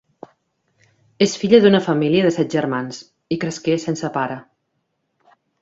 És filla d'una família de set germans i cresqué sense pare.